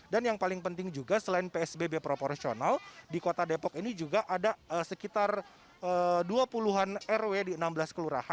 dan yang paling penting juga selain psbb proporsional di kota depok ini juga ada sekitar dua puluh an rw di enam belas kelurahan